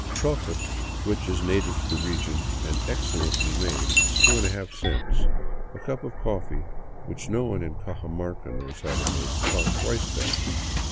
Chocolate, which is native to the region and excellently made, is 2^ cents ; a cup of coffee, which no one in Cajamarca knows how to make, costs twice that.